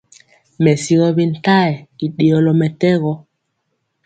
Mɛsigɔ bintayɛ i ɗeyɔlɔ mɛtɛgɔ.